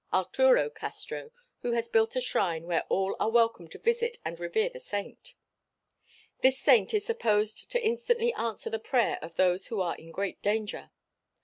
Arturo Castro who has built a shrine where all are welcome to visit and revere the saint. This saint is supposed to instantly answer the prayer of those who are in great danger.